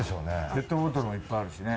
ペットボトルもいっぱいあるしね。